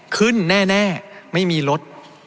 ขึ้นแน่ไม่มีรถ